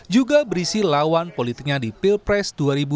juga berisi lawan politiknya di pilpres dua ribu dua puluh